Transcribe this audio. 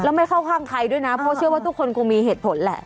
แล้วไม่เข้าข้างใครด้วยนะเพราะเชื่อว่าทุกคนคงมีเหตุผลแหละ